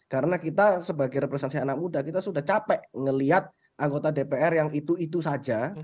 karena kita sebagai representasi anak muda kita sudah capek melihat anggota dpr yang itu itu saja